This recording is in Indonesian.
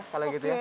oke boleh banget